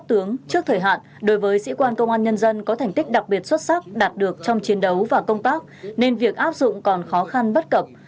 trước thời hạn đối với sĩ quan công an nhân dân có thành tích đặc biệt xuất sắc đạt được trong chiến đấu và công tác nên việc áp dụng còn khó khăn bất cập